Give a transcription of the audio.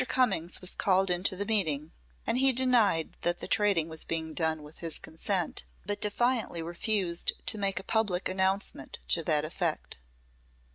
Cummings was called into the meeting, and he denied that the trading was being done with his consent, but defiantly refused to make a public announcement to that effect.